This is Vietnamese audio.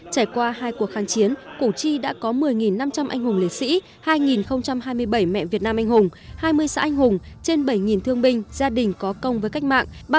trải qua hai cuộc kháng chiến củ chi đã có một mươi năm trăm linh anh hùng liệt sĩ hai hai mươi bảy mẹ việt nam anh hùng hai mươi xã anh hùng trên bảy thương binh gia đình có công với cách mạng